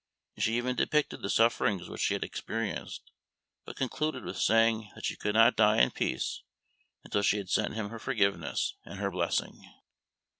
She even depicted the sufferings which she had experienced, but concluded with saying that she could not die in peace until she had sent him her forgiveness and her blessing.